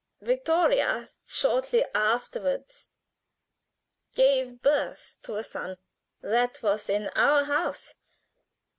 Vittoria shortly afterward gave birth to a son. That was in our house.